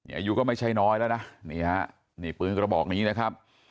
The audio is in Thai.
อายุก็ไม่ใช่น้อยแล้วนะนี่ฮะนี่ปืนกระบอกนี้นะครับ